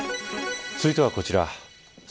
続いてはこちら。